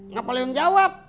ngapain lo yang jawab